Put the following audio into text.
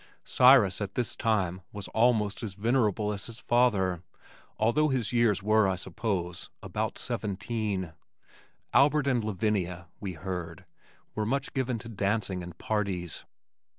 Cyrus at this time was almost as venerable as his father, although his years were, I suppose, about seventeen. Albert and Lavinia, we heard, were much given to dancing and parties.